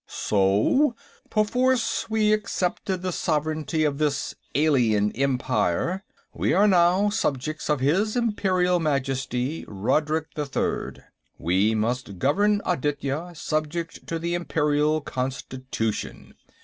"So, perforce, we accepted the sovereignty of this alien Empire. We are now the subjects of his Imperial Majesty, Rodrik III. We must govern Aditya subject to the Imperial Constitution."